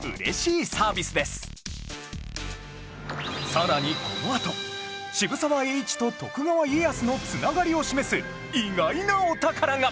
さらにこのあと渋沢栄一と徳川家康の繋がりを示す意外なお宝が